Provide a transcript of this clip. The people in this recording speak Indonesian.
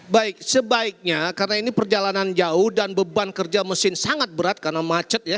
baik sebaiknya karena ini perjalanan jauh dan beban kerja mesin sangat berat karena macet ya